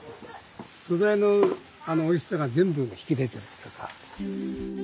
素材のおいしさが全部引き出てるっつか。